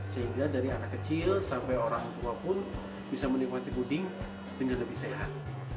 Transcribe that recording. sehingga dari anak kecil sampai orang tua pun bisa menikmati puding dengan lebih sehat